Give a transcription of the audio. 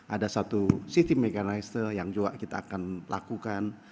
ada satu city mechaniser yang juga kita akan lakukan